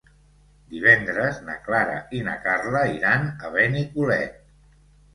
Divendres na Clara i na Carla iran a Benicolet.